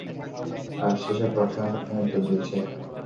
আর সেসব প্রার্থনা সবসময় উত্তর দিয়েছে।